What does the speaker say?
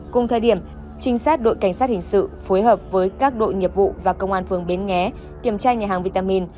cùng thời điểm trinh sát đội cảnh sát hình sự phối hợp với các đội nghiệp vụ và công an phường bến nghé kiểm tra nhà hàng vitamin